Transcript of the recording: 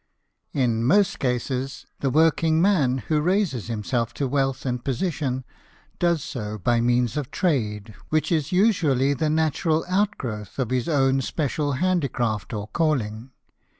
N most cases, the working man who raises himself to wealth and position, does so by means of trade, which is usually the natural outgrowth of his own special handicraft or calling.